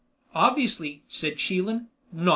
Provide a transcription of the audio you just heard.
"Obviously," said Chelan, "not!"